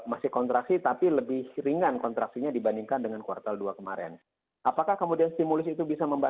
jadi ini terkait karena di desember ini kita masih mengambil galml karena di ding confirmed tadi pas jemwha